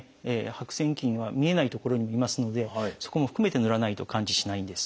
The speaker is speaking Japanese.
白癬菌は見えない所にもいますのでそこも含めてぬらないと完治しないんです。